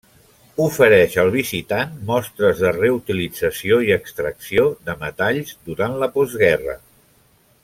Ofereix al visitant mostres de reutilització i extracció de metalls durant la postguerra.